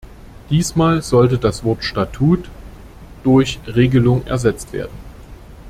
Diesmal soll das Wort "Statut" durch "Regelung" ersetzt werden.